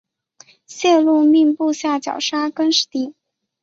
谢禄命部下绞杀更始帝。